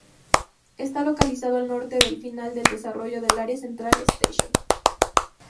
Está localizado al norte del final del desarrollo del área Central Station.